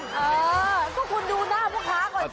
เออก็คุณดูหน้าพ่อค้าก่อนสิ